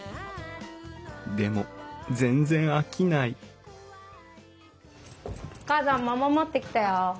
でも全然飽きないお母さん桃持ってきたよ。